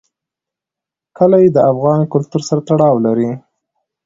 کلي د افغان کلتور سره تړاو لري.